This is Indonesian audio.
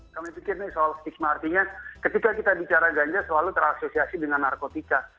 kami pikir ini soal stigma artinya ketika kita bicara ganja selalu terasosiasi dengan narkotika